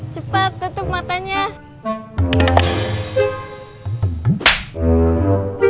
cepat tutup matanya